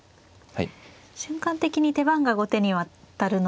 瞬間的に手番が後手に渡るので。